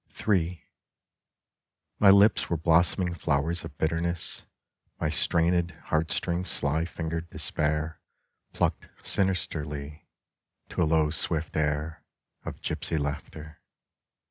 36 ARNOLD JAMES. III. MY lips were blossoming flowers of bitterness My strained heartstrings sly fingered Despair Plucked sinisterly, to a low swift air Of gipsy laughter.